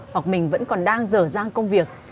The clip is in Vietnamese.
hoặc mình vẫn còn đang dở dang công việc